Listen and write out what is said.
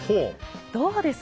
どうです？